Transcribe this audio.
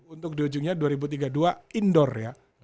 untuk di ujungnya dua ribu tiga puluh dua indoor ya